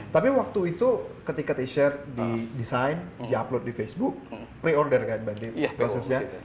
tapi waktu itu ketika t shirt di design di upload di facebook pre order kan prosesnya